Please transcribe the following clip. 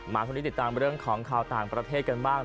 ช่วงนี้ติดตามเรื่องของข่าวต่างประเทศกันบ้าง